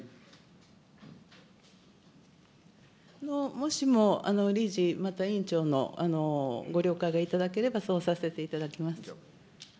もしも理事、また委員長のご了解がいただければそうさせていただきます。